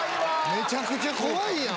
めちゃくちゃ怖いやん！